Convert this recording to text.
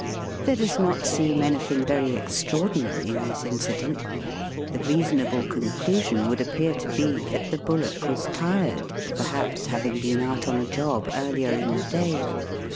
There does not seem anything very extra ordinary in this incident. The reasonable conclusion would appear to be that the bullock was tired, perhaps having been out on a job earlier in the day.